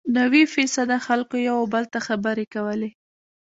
نوي فیصده خلکو یو او بل ته خبرې کولې.